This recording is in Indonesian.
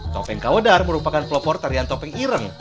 topeng kawedar merupakan pelopor tarian topeng ireng